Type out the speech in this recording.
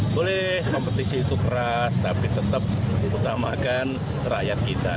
boleh kompetisi itu keras tapi tetap mengutamakan rakyat kita